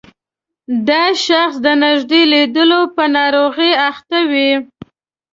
دا شخص د نږدې لیدلو په ناروغۍ اخته وي.